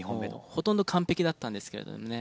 ほとんど完璧だったんですけれどもね。